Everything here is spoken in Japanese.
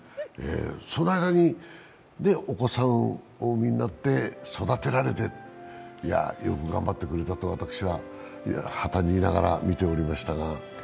その間にお子さんをお産みになって育てられて、よく頑張ってくれたと私は端にいながらみておりましたが。